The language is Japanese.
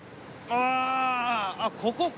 ああここか！